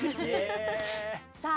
さあ